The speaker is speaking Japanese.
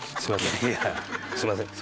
すみません。